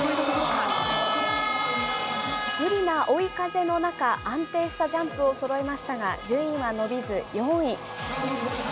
不利な追い風の中、安定したジャンプをそろえましたが、順位は伸びず、４位。